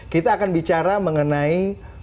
kita akan bicara mengenai